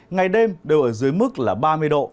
ngày đêm đều ở dưới mức là ba mươi độ